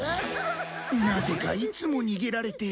なぜかいつも逃げられて。